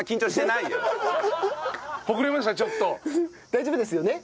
大丈夫ですよね？